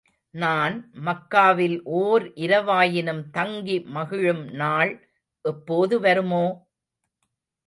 நான் மக்காவில் ஓர் இரவாயினும் தங்கி மகிழும் நாள் எப்போது வருமோ?